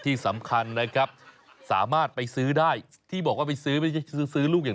นี่มีป้ามันตอบเปรี้ยวไม่เปรี้ยวเข้ามาสิ